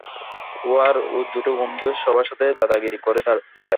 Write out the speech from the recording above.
ও আর ওর দুটো বন্ধু সবার সাথে দাদাগিরি করে বেড়ায়।